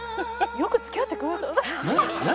「よく付き合ってくれたアハハッ！」